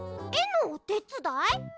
えのおてつだい？